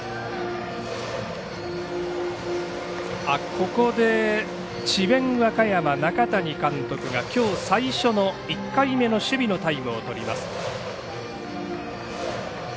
ここで智弁和歌山、中谷監督がきょう最初、１回目の守備のタイムをとります。